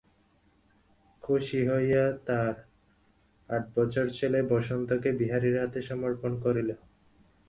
খুশি হইয়া তাহার আট বছরের ছেলে বসন্তকে বিহারীর হাতে সমর্পণ করিল।